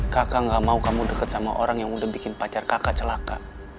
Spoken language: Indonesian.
kakak gak mau kamu deket sama orang yang udah bikin pacar kakak celaka